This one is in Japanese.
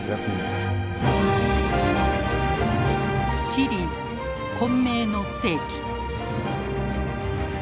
シリーズ「混迷の世紀」。